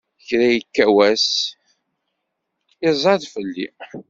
Kra ikka wass, iẓẓad fell-i!